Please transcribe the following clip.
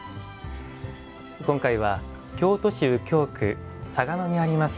今回は、京都市右京区嵯峨野にあります